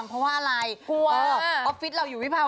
คือคล้ายผลไม้รสหวชำ